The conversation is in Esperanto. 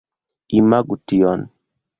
Imagu tion